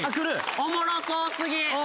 おもろそう過ぎ。